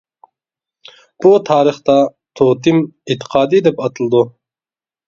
بۇ تارىختا توتېم ئېتىقادى دەپ ئاتىلىدۇ.